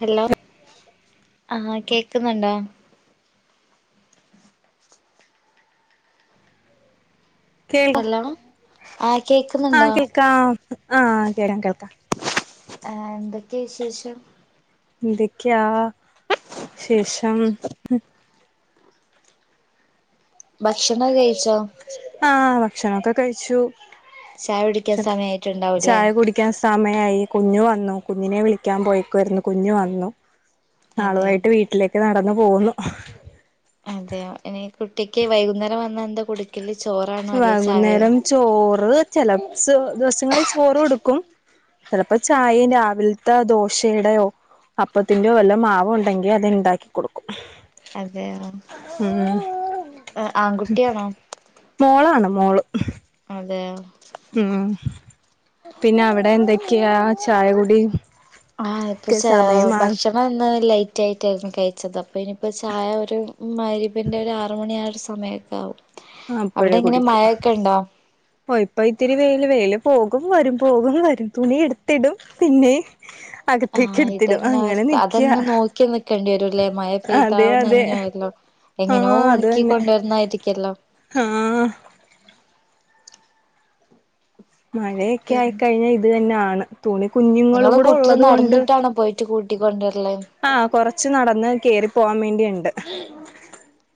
Hello ആഹ് കേക്കുന്നുണ്ടോ? കേ ഹലോ ആഹ് കേക്കുന്നുണ്ടോ ആഹ് കേൾക്കാം ആഹ് കേൾ കേൾക്കാം. ആഹ്, എന്തൊക്കെ വിശേഷം? എന്തൊക്യാ ശേഷം? ഭക്ഷണം കഴിച്ചോ? ആഹ് ഭക്ഷണൊക്കെ കഴിച്ചു ചായ കുടിക്കാൻ സമയായിട്ടുണ്ടാവൂല്ലേ ചായ കുടി ക്കാൻ സമയായി കുഞ്ഞു വന്നു കുഞ്ഞിനെ വിളിക്കാൻ പോയ്ക്കയിരുന്നു കുഞ്ഞു വന്നു. അതെയോ നാളുമായിട്ട് വീട്ടിലേക്ക് നടന്നു പോകുന്നു. അതെയോ ഇനി കുട്ടിക്ക് വൈകുന്നേരം വന്ന എന്താ കൊട് ചോറാ? വൈകുന്നേരം ചോറ് ചെലെ ദിവസങ്ങളിൽ ചോറ് കൊടുക്കും ചിലപ്പോ ചായയും രാവിൽത്തെ ദോശയുടെയോ അപ്പത്തിൻഡോ വല്ല മാവോ ണ്ടെങ്കിൽ അത് ഇണ്ടാക്കി കൊടുക്കും. അതെയോ, ഉം ഏ ആൺകുട്ടിയാണോ? മോളാണ് മോള്. അതെ ഉം പിന്നെ അവിടെ എന്തൊക്കെയാ ചായകൂടി ആഹ് ഇപ്പൊ ഭക്ഷണം ഇന്ന് ലൈറ്റ് ആയിട്ടായിരുന്നു കഴിച്ചത് അപ്പൊ ഇനിപ്പോ ചായ ഒരു മയ്രിപിന്റെ ഒരു ആറ് മണിയായൊര് സമയൊക്കെ ആവും അപ്പഴേ അവിടെ എങ്ങനെ കുടിക്കും മഴൊക്കെ ഉണ്ടോ? ഓ ഇപ്പൊ ഇത്തിരി വെയില് വെയില് പോകും വരും പോകും വരും തുണി എടുത്തിടും പിന്നെ അകത്തേക്ക് ആഹ്, എടുത്തിടും ഇതന്നെ അങ്ങനെ അവസ്ഥ നിക്ക അതന്നെ നോക്കി നിക്കേണ്ടി വരൂല്ലേ മയ പെയ്താ അതെ അതെ നൻഞ്ഞൊവല്ലോ ആഹ് എങ്ങനെയോ അത് ഉണക്കി തന്നെ കൊണ്ടുവരുന്നതായിരിക്കല്ലോ ആഹ് മഴയൊക്കെ പിന്നെ ആയിക്കഴിഞ്ഞാൽ ഇത് തന്നെണ് തുണി കുഞ്ഞുങ്ങളും നിങ്ങള് കൂടെ കുട്ടിനെ ഉള്ളത് കൊണ്ട് നടന്നിട്ടാണോ പോയിട്ട് കൂട്ടിക്കൊണ്ടുവരല് ആഹ് കൊറച്ച് നടന്ന് കേറി പോവാൻ വേണ്ടിണ്ട്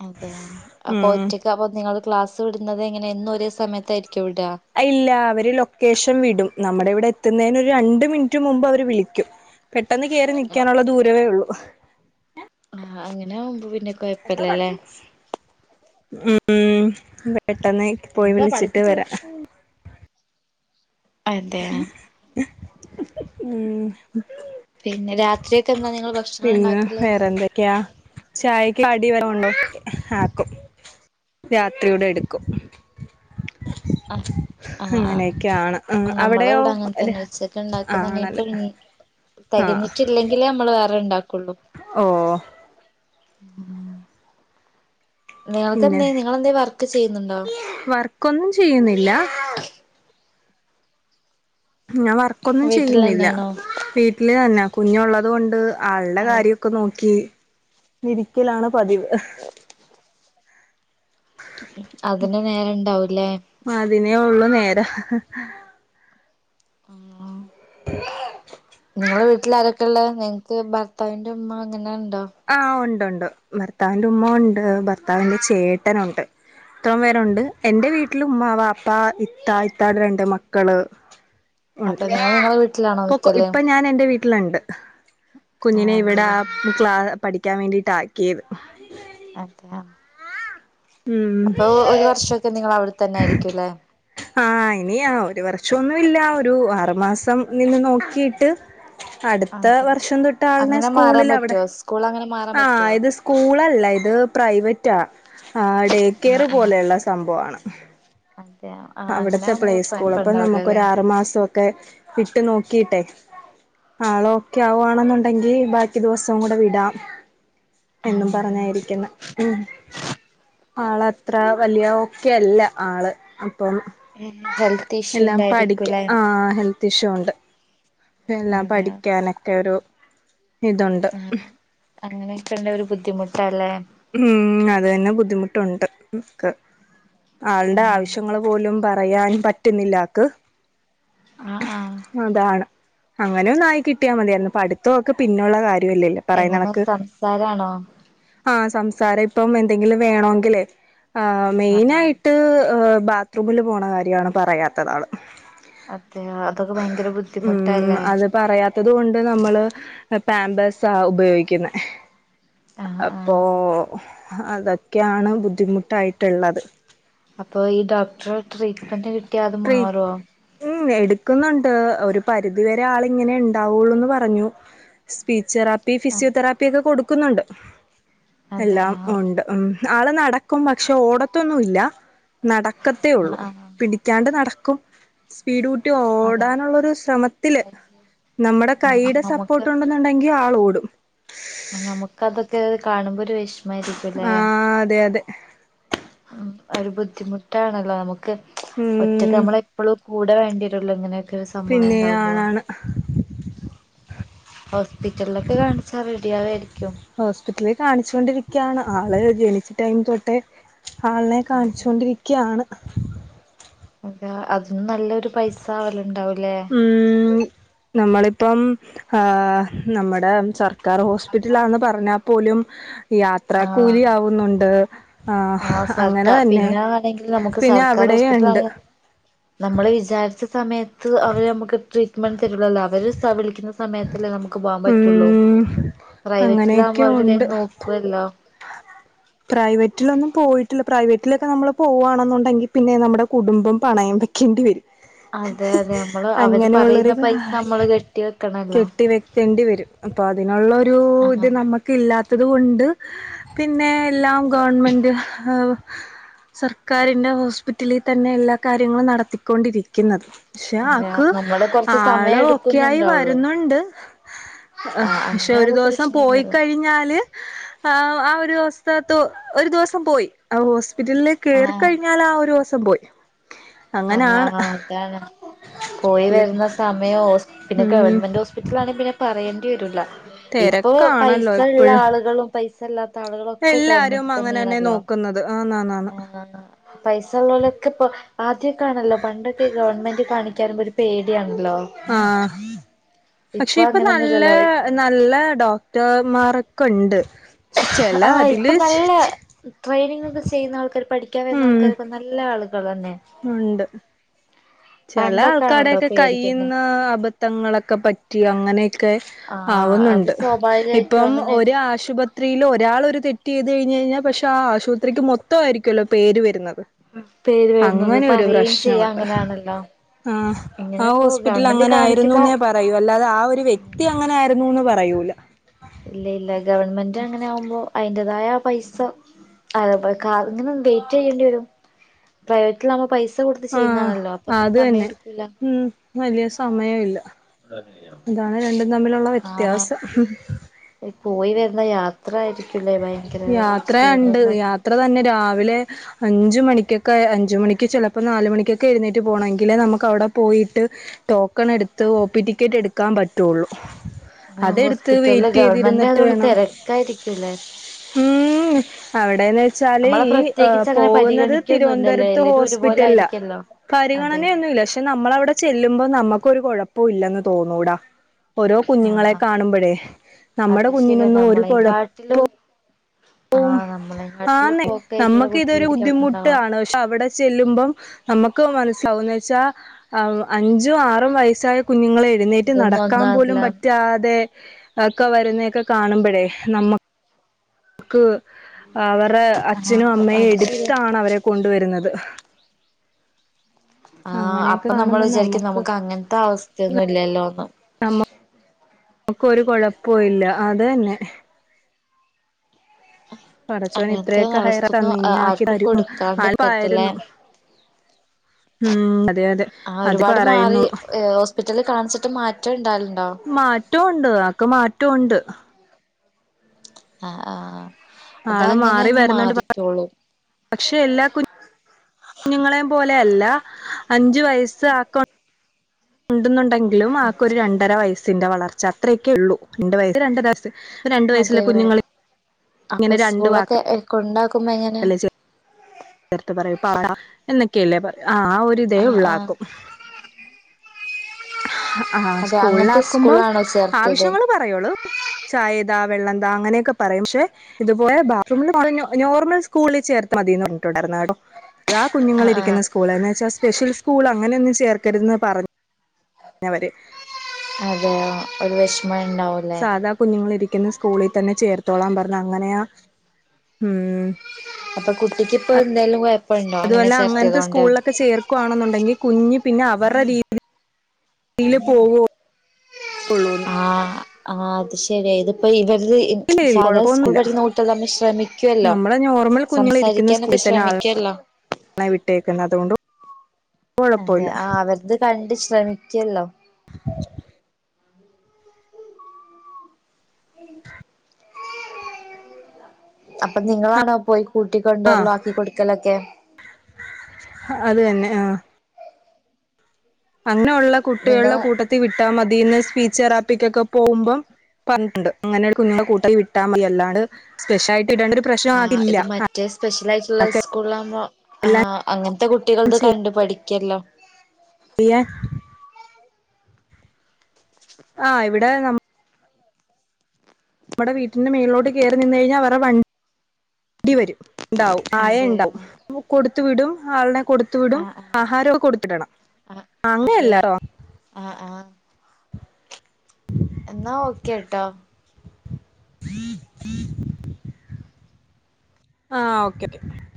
അതെ അപ്പോ ഒറ്റക്ക് അപ്പൊ നിങ്ങൾ ക്ലാസ് വിടുന്നത് എങ്ങനെ എന്നും ഒരേ സമയത്തായിരിക്കും വിട ഇല്ല അവര് ലൊക്കേഷൻ വിടും നമ്മുടെ ഇവിടെ എത്തുന്നന് ഒരു രണ്ട് മിനിറ്റ് മുമ്പ് അവർ വിളിക്കും പെട്ടെന്ന് കേറി നൽക്കാനുള്ള ദൂരമേ ഒള്ളൂ ആഹ് അങ്ങനെ ആവുമ്പ പിന്നെ ഉം കൊഴപ്പല്ലല്ലേ ഉം പെട്ടെന്ന് പോയി വിളിച്ചി ട്ട് വരാ അതെ ഉം പിന്നെ രാത്രിയൊക്കെ എന്താ നിങ്ങള് ഭക്ഷണം ഉണ്ടാക്കല് എന്തക്കെയ ചായക്ക് കടി വല്ലോ ഒണ്ടോ ആഹ് ആക്കും രാത്രി ഇവിടെ എടുക്കും ആഹ് ആഹ് അങ്ങനെയൊക്കെയാണ് ആഹ് നമ്മള അവിടെയോ ഇവിടെ അങ്ങനെ തന്നെ ഉച്ചക്ക് ഉണ്ടാക്ക ആണല്ലേ തന്നെപ്പഴും തികഞ്ഞിട്ടില്ലെങ്കിലേ നമ്മള് വേറെ ഉണ്ടാക്കുള്ളൂ ഓഹ് നിങ്ങൾക്ക് പിന്നെ എന്ത നിങ്ങെന്ത വർക്ക് ചെയ്യുന്നുണ്ടോ ക്കോന്നും ചെയ്യുന്നില്ല ഞാൻ വർക്കൊന്നും വീട്ടിൽ ചെയ്യുന്നില്ല തന്നെയാണോ വീട്ടില് തന്നെ കുഞ്ഞുള്ളത് കൊണ്ട് ആളുടെ അതെ കാര്യം ക്കെ നോക്കി ഇരിക്കലാണ് പതിവ് അതിന് നേരണ്ടാവൂല്ലേ അതിനേ ഉള്ളു നേരം ആഹ് [unintelligible] നിങ്ങളെ വീട്ടിൽ ആാരക്കെയ ഉള്ളേ നിങ്ങക്ക് ഭർത്താവിന്റെ ഉമ്മ അങ്ങനെ ഉണ്ടോ ആഹ് ഉണ്ട് ഉണ്ട് ഭർത്താവിന്റെ ഉമ്മ ഉണ്ട് ഭർത്താവിന്റെ ചേട്ടനുണ്ട് ഇത്രം പേരുണ്ട് എൻറെ വീട്ടിൽ ഉമ്മാ വാപ്പ ഇത്ത ഇത്താട രണ്ട് മക്കള് ഉണ്ട് അതെ നിങ്ങൾ നിങ്ങളെ വീട്ടിലാണോ ഇപ്പൊ നിക്കല് ഇപ്പൊ ഞാൻ എന്റെ വീട്ടി വീട്ടിലുണ്ട് ആഹ് കുഞ്ഞിനെ ഇവിടെ അതെയോ ക്ലാ പഠിക്കാൻ വേണ്ടിട്ടാക്കിയത് അതെ ആഹ് ഉം അപ്പൊ ഒരു വർഷക്കെ നിങ്ങള് അവിടെ തന്നെ ആയിരിക്കുല്ലെ ആഹ് ഇനി ഒരു വർഷംന്ന്ല്ല ഒരു ആറു മാസം നിന്ന് നോക്കിയിട്ട് അടുത്ത അതെ വർഷം തൊട്ട് ആളിനെ അങ്ങനെ മാറാൻ സ്കൂളിൽ അവിടെ പറ്റുവോ സ്കൂൾ അങ്ങനെ മാറാൻ ആഹ് പറ്റുവോ ഇത് സ്കൂളല്ല ഇത് പ്രൈവറ്റാ ആഹ് ഡേക്കേർ ആഹ് ആഹ് പോലെയുള്ള സംഭവമാണ് [unintelligible] അവിടത്തെ ആകുമ്പോ പ്ലേ സ്കൂൾ അപ്പൊ നമക്ക് കൊഴപ്പണ്ടാവൂലല്ലേ ആറു മാസംക്കെ വിട്ടു നോക്കിട്ടെ ആള് ഓക്കെ ആവുവാണെന്നുണ്ടെങ്കിൽ ബാക്കി ദിവസവും കൂടെ വിടാം എന്നും പറഞ്ഞായിരിക്കുന്ന ആളത്ര വലിയ ഒക്കെയല്ല ആള് അപ്പം ഹെൽത്ത് ഇഷ്യൂ എല്ലാം പഠിക്ക ഉണ്ടായിരിക്കൂലേ ആഹ് ഹെൽത്ത് ഇഷ്യൂണ്ട് എല്ലാം അതെയോ പഠിക്കാനൊക്കെ ഒരു ഇതുണ്ട് അങ്ങനെയൊക്കെ ഉള്ള ഒരു ബുദ്ധിമുട്ടാല്ലേ ഉം അതന്നെ ബുദ്ധിമുട്ടു നമുക്ക് ആളുടെ ആവശ്യങ്ങൾ പോലും പറയാൻ പറ്റുന്നില്ല ആക്ക് ആഹ് ആഹ് അതാണ് അങ്ങനെന്നായി കിട്ടിയാൽ മതിയായിരുന്നു പഠിത്തവും ഒക്കെ പിന്നെള്ള കാര്യല്ലേ എങ്ങനെ സംസാരാണോ ആഹ് സംസാരം ഇപ്പം എന്തെങ്കിലും വേണോങ്കില് ആ ആ മെയിനായി ട്ട് ബാത്റൂമില് പോണ കാര്യമാണ് പറയാത്തതവള്. അതെയോ അതൊക്കെ ഭയങ്കര ബുദ്ധിമുട്ടല്ലേ. ത്തതു കൊണ്ട് നമ്മള് പാമ്പേഴ്സാ ഉപയോഗിക്കുന്നത്. ആഹ് ആഹ് ഓഹ് അതൊക്കെയാണ്‌ ബുദ്ധിമുട്ടായിട്ടുള്ളത്. അപ്പൊ ഈ ഡോക്ടറ ട്രീറ്റ്മെന്റ് കിട്ടിയ അത് ട്രീ മാറോ? ഉം, എടുക്കുന്നുണ്ട് ഒരു പരിധി വരെ ആളു ഇങ്ങനെ ഉണ്ടാവുള്ളൂന്ന് പറഞ്ഞു. സ്പീച്ച് തെറാപ്പി, ആ ഫിസിയോതെറാപ്പി, ഒക്കെ കൊടുക്കുന്നുണ്ട് അതെ എല്ലാം ആ ഒണ്ട്. ഉം ആള് നടക്കും പക്ഷെ ഓടത്തൊന്നുല്ലാ നടക്കത്തേ ആ ഉള്ളൂ. ആ റ്റാണ്ട് നടക്കും. സ്പീഡ് കൂട്ടി അതെ ഓടാനുള്ള ഒരു ശ്രമത്തില് നമ്മുടെ ആ കൈയുടെ നമുക്ക് സപ്പോർട്ട് കൊണ്ട് ണ്ടെങ്കിൽ ആള് ഓടും നമുക്ക് അതൊക്കെ കാണുമ്പോ ഒരു വിഷമമായിരിക്കുംല്ലേ. ആ അതെ അതെ ഉം ഒരു ബുദ്ധിമുട്ടാണല്ലോ നമുക്ക്. ഉം മറ്റേത് നമ്മള എപ്പോഴും കൂടെ വേണ്ടിരുള്ളൂ ഇങ്ങനെ പിന്നെ ആണാണ്. ഹോസ്പിറ്റലിലൊക്കെ കാണിച്ചാൽ റെഡിയാവേരിക്കും. ഹോസ്പിറ്റലിൽ കാണിച്ചു കൊണ്ടിരിക്കാണ് ആള് ജനിച്ച ടൈം തൊട്ടേ ആളിനെ കാണിച്ചൊണ്ടിരിക്കാണ്‌. അ അതും നല്ലൊരു പൈസ ആവലുണ്ടാവൂലെ. ഉ നമ്മളിപ്പം ഹാ നമ്മടെ സർ ക്കാർ ഹോസ്പിറ്റലാന്ന് പറഞ്ഞാ പോലും യാത്ര ആഹ് കൂലി ആവുന്നുണ്ട്. ആഹ് അങ്ങനെ സർക്കാർ തന്നെ പിന്നെ ആണെങ്കിൽ നമുക്ക് പിന്നെ സർക്കാർ അവിടെയും ഉണ്ട്. ഹോസ്പിറ്റലാണ് നമ്മള് വിചാരിച്ച സമയത്ത് അവരെ നമുക്ക് [unintelligible] അവര് സ വിളിക്കുന്ന സമയത്തല്ലേ നമുക്ക് പോകാൻ പറ്റുള്ളൂ ഉം പ്രൈവറ്റിലാവുമ്പോ അങ്ങനെയൊക്കെ ഉണ്ട് അവരേതായാലും നോക്കുവല്ലോ. പ്രൈവറ്റിലൊന്നും പോയിട്ടില്ല. പ്രൈവറ്റിലൊക്കെ നമ്മൾ പോകുകവാണെന്നുണ്ടെങ്കിൽ പിന്നെ നമ്മുടെ കുടുംബം പണയം വയ്ക്കേണ്ടി വരും. അതെ അതെ നമ്മള് അവര് അങ്ങനെയുള്ളൊരു പറയുന്ന പൈസ നമ്മള് [unintelligible] കെട്ടി വെക്കണല്ലോ കെട്ടി വെ ക്കെണ്ടിവരും അപ്പോൾ അതിനുള്ളൊരു ഇത് ആഹ് നമുക്ക ഇല്ലാത്തത് കൊണ്ട്. പിന്നേ എല്ലാം ഗവണ്മെന്റ് സർക്കാരിന്റെ ഹോസ്പിറ്റലിൽ തന്നെ എല്ലാ കാര്യങ്ങളും നടത്തിക്കൊണ്ടിരിക് ക്കുന്നത്. പക്ഷെ അതെ ആക്ക് നമ്മള് കൊറച്ച് സമയം ആള് ഒക്കെ ആയി എടുക്കുന്നുണ്ടാവുള്ളൂ വരുന്നുണ്ട്. ഹാ ആഹ് പക്ഷെ അങ്ങനെ ഒരു ആവുമ്പോ ദിവസം പോയി പ്രശ്നല്ലല്ലോ കഴിഞ്ഞാല്. ആ ആ ഒരുസ്‌ത് ത്തു ഒരു ദിവസം പോയി ആ ഹോസ്പിറ്റലില് ആഹ് കേറിക്കഴിഞ്ഞാല ആ ഒരുസം പോയി അതെ അങ്ങനാണ് ആഹ് അതാണ് പോയി ഹോസ്പിറ്റലിൽ വരുന്ന സമയം ഹോസ് പിന്നെ ഉം ഗവൺമെന്റ് ഹോസ് വീട്ടിലാണെങ്കി പിന്നെ പറയേണ്ടി വരൂല്ല. ഇപ്പൊ തിരക്കാണല്ലോ പൈസള്ള എപ്പഴും ആളുകളും പൈസ ഇല്ലാത്ത ആളുകളും ഒക്കെ ഗവൺമെന്റ് തന്നെയാണല്ലോ. ക്കുന്നത് ആ നാ നാണ്. ആഹ് പൈസ ഉള്ളലൊക്കെ പ്പോ ആദ്യൊക്കെ ആണല്ലോ പണ്ടൊക്കെ ഗവൺമെന്റ് കാണിക്കാറീമ്പോ ഒരു പേടിയാണല്ലോ. ആഹ് പക്ഷെ ഇപ്പൊ നല്ല നല്ല ഡോക്ടർമാരൊക്കെ ഉണ്ട്. പക്ഷെ ചെല ആ ഇപ്പൊ അതില് നല്ല ട്രെയിനിങ്ങ ഒക്കെ ചെയ്യുന്ന ആൾക്കാർ പഠിക്കാൻ വരുന്ന ഉം ആൾക്കാരൊക്കെ എല്ലാ ആളുകളെന്നെ ഉണ്ട് ചില പണ്ടൊക്കൊണല്ലോ ആൾക്കാരൊക്കെ പേടിക്കന്നെ കയ്യിന്നു അബ ന്ധങ്ങളൊക്കെ പറ്റി അങ്ങനെയൊക്കെ ആഹ് അത് ആവുന്നുണ്ട് സ്വാഭാവികമായിട്ടും ഇപ്പം അങ്ങനെ ഒരു ആശുപത് ത്രിയില്ഒരാൾ ഒരു തെറ്റ് ചെയ്ത് കഴിഞ്ഞ് കഴിഞ്ഞൽ പക്ഷെ ആശുപത്രിക്ക് മൊത്തം ആരിക്കല്ലോ പേര് വരുന്നത്. പേര് വരുന്നത് അങ്ങനെ പറയുകയും ചെയ്യാം അങ്ങനെയാണല്ലോ ആഹ ഇങ്ങനെ ആഹ ഇപ്പോ ഹോസ്പിറ്റല ഗവൺമെന്റ് അങ്ങനെ കാണിക്കുമ്പോ ആയിരുന്നുന്ന പറ പറയൂ അല്ലാതെ ആഹ ഒരു വ്യക്തി അങ്ങനെ ആയിരുന്നുന്ന് പറയൂല ഇല്ല ഇല്ല ഗവൺമെന്റ് അങ്ങനെ ആവുമ്പോ അതിന്റേതായ പൈസ അത [unintelligible] ഇങ്ങനെ വെയിറ്റ് ചെയ്യേണ്ടി വരും [unintelligible] കുമ്പോ പൈസ കൊടുത്ത് ആഹ് ചെയ്യുന്നതാണല്ലോ അപ്പൊ അത്ര അത് സമയം തന്നെ എടുക്കൂല ഉം വലിയ സമയമില്ല അതെയ അതാണ് രണ്ടും തമ്മിലുള്ള വ്യത്യാസം പോയി വരുന്ന യാ ത്ര ആയിരിക്കല്ലേ യാത്രയണ്ട് യാത്ര തന്നെ രാവിലെ അഞ്ച് മണിക്കൊക്കെ അഞ്ച മണിക്ക് ചിലപ്പോൾ നാല് മണിക്കൊക്കെ എഴുന്നേറ്റ് പോകണമെങ്കിൽ നമുക്കവിടെ പോയിട്ട് ടോക്കൺ എടുത്ത് ഓ പി ടിക്കറ്റ് എടുക്കാൻ പറ്റുള്ളൂ ആ അതെടുത്ത് വെയിറ്റ് ചെയ്തിരുന്നിട്ട് വേണം തായിരിക്കൂല്ലേ ഉം ഉം അവിടെന്ന് വെച്ചാല് നമ്മളെ ഈ പ്രത്യേകിച്ച് അങ്ങനെ പോകുന്നത് പരിഗണിക്കൊന്നുംല്ലല്ലോ തിരുവനന്തപുരത്ത് എല്ലാരും ഒരുപോലെ ഹോസ്പിറ്റലിലാ ആയിരിക്കല്ലോ അതെ പരിഗണനയൊന്നുംല്ല പക്ഷെ നമ്മള അവിടെ ചെല്ലുമ്പോ നമുക്കൊ കുഴപ്പവും ഇല്ലെന്ന് തോന്നൂടാ ഓരോ കുഞ്ഞുങ്ങളെ ആഹ് കാണുമ്പോഴേ നമ്മുടെ അത് ശരിയാ കുഞ്ഞിനൊന്നും ഒരു കുഴപ്പ നമ്മളെക്കാട്ടിലും ആഹ് നമ്മളെ കാട്ടിലും ആന്നെ പ്പോക്കെ ആയിട്ടുള്ള നമ്മക്ക് ഇതൊരു കുട്ടികളായിരിക്കും അവിടെണ്ടാവാ ബുദ്ധിമുട്ടാണ് പക്ഷെ അവിടെ ചെല്ലുമ്പം നമുക്ക് മനസ്സിലാവന്ന് വെച്ചാ ആഹ അഞ്ചും ആറും വയസ്സായ കുഞ്ഞുങ്ങളെ എഴുന്നേറ്റ് ഇതൊന്നും നടക്കാൻ ഒന്നും അല്ല പോലും പറ്റാതെ ഒക്കെ വരുന്നതൊക്കെ കാണുമ്പോഴേ നമ്മ ക്ക് അവരടെ ആഹ് അച്ഛനും അമ്മയും അത് ശരിയാ എടുത്താണ് അവരെ കൊണ്ടുവരുന്നത് ആഹ അങ്ങനെയൊക്കെ അപ്പൊ നമ്മൾ കാണുമ്പോ വിചാരിക്കും നമുക്ക് അങ്ങനത്തെ അവസ്ഥയൊന്നും ഇല്ലല്ലോന്ന് ഞമ്മ നമുക്കൊ ഒരു കുഴപ്പവും ഇല്ല അത് തന്നെ ആഹ പടച്ചോന് ഇത്രയൊക്കെ ഹയറ തന്ന ഇനി ആക്കി ആർക്കും കൊടുക്കാണ്ടിരിക്കട്ടെല്ലേ ആപ്പായരുന്നു ഉം അതെ അതെ ആഹ അത് ഒരുപാട് മാറി പറയുന്നുള്ളൂ ഹോസ്പിറ്റലിൽ കാണിച്ചിട്ട് മാറ്റം ഇണ്ടലുണ്ടോ മാറ്റുണ്ട് ആക്ക് മാറ്റുണ്ട് ആഹ ആഹ അത ആള് അങ്ങനെ മാറി അങ്ങ് വരുന്നുണ്ട് മാറിക്കോളൂ പക്ഷെ എല്ലാ കു കുഞ്ഞുങ്ങളെയ പോലെല്ല അഞ്ച് വയസ് ആ [unintelligible] ഉണ്ടെന്നുണ്ടെങ്കിലും ആക്കൊ ഒരു രണ്ടര വയസ്സിന്റെ വളർച്ച അത്രയൊക്കെ ഉള്ളൂ രണ്ട വയ രണ്ടര വയസ് ഇപ്പ രണ്ട് വയസ്സിലെ അതെയോ കുഞ്ഞുങ്ങൾ അപ്പൊ ഇങ്ങനെ രണ്ട് വാക്ക സ്കൂളൊക്കെ കൊണ്ടാക്കുമ്പോ എങ്ങനെ നേർത്ത് പറയൂ പാട എന്നൊക്കെയല്ലേ ആഹ ആഹ ഒരിതേ ആഹ് ആഹ് ഉള്ളാക്കും ആഹ് അതെ സ്കൂളിൽ അങ്ങനത്തെ ആക്കുമ്പം സ്കൂളാണോ ചേർത്തത് ആവശ്യങ്ങള് പറയളൂ ചായതാ വെള്ളം താ അങ്ങനെയൊക്കെ പറയും പക്ഷെ ഇതുപോല ബാത്റൂമ നോർമൽ സ്കൂളിൽ ചേർത്ത് മതിയന്ന് പറഞ്ഞിട്ടുണ്ടായിരുന്ന കേട്ടോ അതാ കുഞ്ഞുങ്ങൾ ആഹ് ഇരിക്കുന്ന ആഹ് സ്കൂൾ എന്ന വച്ചാൽ സ്പെഷ്യൽ സ്കൂൾ അങ്ങന ഒന്നും ചേർക്കരുതെന്ന് പറഞ്ഞു ഞ്ഞവര് അത ഒരു വിഷമം ആയി ഉണ്ടാവ സാധാ കുഞ്ഞുങ്ങൾ ഇരിക്കുന്ന സ്കൂളിൽ തന്നെ ചേർത്തോളാൻ പറഞ്ഞു അങ്ങനെയാ ഉം അപ്പൊ കുട്ടിക്ക് ഇപ്പ എന്തായാലും കുഴപ്പ അതുവല്ലെ അങ്ങനത്തെ സ്കൂളിലൊക്കെ ചേർക്കുവാണെന്നുണ്ടെങ്കിൽ കുഞ്ഞ് പിന്നെ അവരെ [unintelligible] യില് പോവോള്ളൂ ആഹ് ആഹ് അത് ശരിയ ഇതിപ്പോ ഇവര് ഇല്ല സാധാ സ്കൂൾ കുഴപ്പൊന്നുമില്ല പഠിക്കുന്ന കുട്ടികള് തമ്മിൽ ശ്രമിക്കുവല്ലോ നമ്മളെ നോർമൽ കുഞ്ഞുങ്ങൾ ഇരിക്കുന്ന സംസാരിക്കാനൊക്കെ സ്കൂളിൽ തന്നെ ആളെ ശ്രമിക്കുവല്ലോ [unintelligible] വിട്ടേക്കുന്നത് കൊണ്ടും എന്താ ആഹ് അവരത് കണ്ട് ശ്രമിക്കല്ലോ അപ്പൊ നിങ്ങളാണോ പോയി ആഹ് കൂട്ടിക്കൊണ്ടരലും ആക്കി കൊടുക്കലൊക്കെ അത് തെന്നെ ആഹ് അങ്ങനെയുള്ള കുട്ടികളുടെ നിങ്ങള് കൂട്ടത്തി വിട്ടാമതീന്ന് സ്പീച്ച് തെറാപ്പിക്കൊക്കെ പോവുമ്പം പറഞ്ഞിട്ട്ണ്ട് അങ്ങനെ കുഞ്ഞ്ങ്ങളുടെ കൂട്ടത്തിൽ വിട്ടാൽ മതി അല്ലാണ്ട് സ്പെഷലായിട്ട്‌ ഇടണ്ടൊരു ആഹ് ഇത് മറ്റേ സ്പെഷ്യലായിട്ടുള്ള സ്കൂളാവുമ്പോ എല്ലാം ആഹ് അങ്ങനത്തെ കുട്ടികൾത് കണ്ടു പഠിക്കല്ലോ ഫ്രീയാ ആഹ് ഇവിടെ നമ്മ നമ്മടെ വീട്ടിന്റെ മേളിലോട്ട് കെറി നിന്ന് കഴിഞ്ഞാവരുടെ വണ്ടി വരും ണ്ടാവും ആയ അതെയോ ഇണ്ടാവും കൊടുത്തു വിടും ആളിനെ കൊടു ത്ത് ആ വിടും ആ ആഹാരോക്കെ കൊടുത്ത് വിടണം അങ്ങനെയല്ലട്ടോ ആഹ് ആഹ് എന്നാ ഓക്കെ ട്ടോ ആഹ് ഓക്കെ ക്കെ